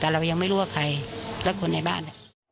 แต่เรายังไม่รู้ว่าใครและคนในบ้าน